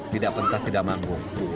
tidak pentas tidak manggung